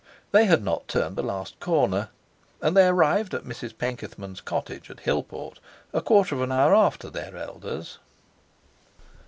they had not turned the last corner; and they arrived at Mrs Penkethman's cottage at Hillport a quarter of an hour after their elders.